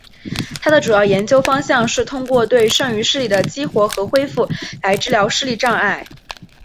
他的主要研究方向是通过对剩余视力的激活和恢复来治疗视力障碍。